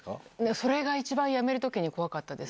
それが一番、辞めるときに怖かったです。